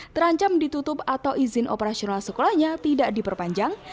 terancam ditutup atau izin operasional sekolahnya tidak diperpanjang